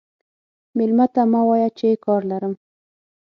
مېلمه ته مه وایه چې کار لرم.